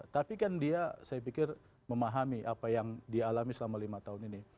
tapi kan dia saya pikir memahami apa yang dia alami selama lima tahun ini